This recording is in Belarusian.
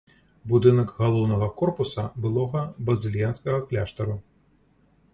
Будынак галоўнага корпуса былога базыльянскага кляштару.